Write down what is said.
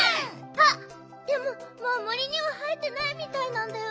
あっでももうもりにははえてないみたいなんだよね。